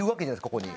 ここに。